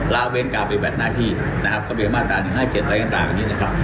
ลาเวรกราบไปแบตหน้าที่กระเบียงมาตรา๑๕๗อะไรอย่างนี้นะครับ